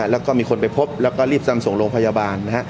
แล้วก็มีคนไปพบแล้วก็รีบนำส่งโรงพยาบาล